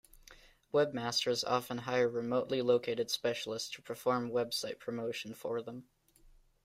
Webmasters often hire remotely located specialists to perform website promotion for them.